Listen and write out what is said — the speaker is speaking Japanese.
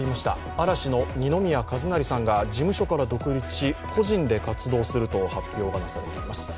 嵐の二宮和也さんが事務所から独立し、個人で活動するとの発表がなされています